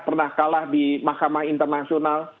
pernah kalah di mahkamah internasional